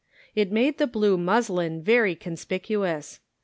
It made the blue muslin very conspicuous.